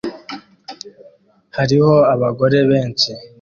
Hariho abagore benshi